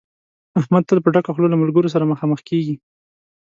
احمد تل په ډکه خوله له ملګرو سره مخامخ کېږي.